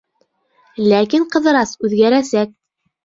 Ләкин Ҡыҙырас үҙгәрәсәк.